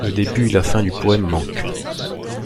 Le début et la fin du poème manquent.